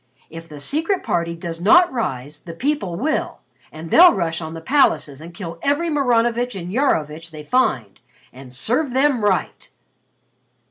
If the Secret Party does not rise, the people will, and they'll rush on the palaces and kill every Maranovitch and Iarovitch they find. And serve them right!"